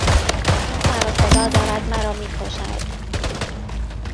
این سروصدا دارد مرا میکشد!